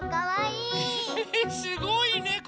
えすごいねこれ。